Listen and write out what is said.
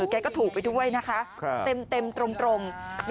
แกก็ถูกไปด้วยนะคะเต็มตรง